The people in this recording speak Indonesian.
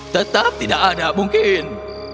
tetap tidak ada mungkin